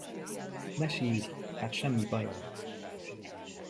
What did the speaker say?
Ne sírj, hát semmi bajom!